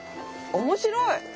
面白い！